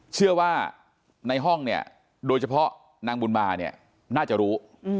เชื่อว่าในห้องเนี่ยโดยเฉพาะนางบุญมาเนี่ยน่าจะรู้